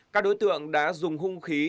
các đối tượng đã dùng hung khí